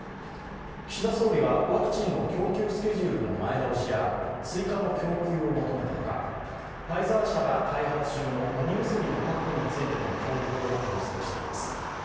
岸田総理がワクチンの供給スケジュールの前倒しや追加の供給を求めたほか、ファイザー社が開発中の飲み薬の確保についても協力を要請しています。